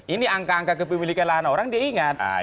ini angka angka kepemilikan lahan orang dia ingat